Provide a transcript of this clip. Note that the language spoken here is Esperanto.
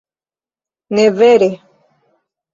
Ne vere...